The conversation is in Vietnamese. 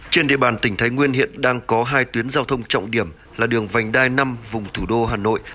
trên địa bàn tỉnh thái nguyên hiện đang có hai tuyến giao thông trọng điểm là đường vành đai năm vùng thủ đô hà nội